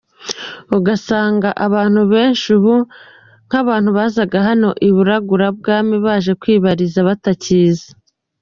Ugasanga abantu benshi, ubu nk’abantu bazaga hano i Buragurabwami baje kwibariza, ntabakiza.